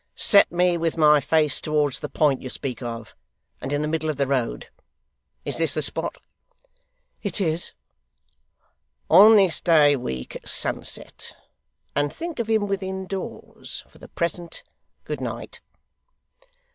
'Set me with my face towards the point you speak of, and in the middle of the road. Is this the spot?' 'It is.' 'On this day week at sunset. And think of him within doors. For the present, good night.